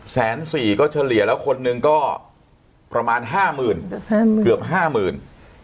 แสนสี่ก็เฉลี่ยแล้วคนหนึ่งก็ประมาณห้าหมื่นเกือบห้าหมื่น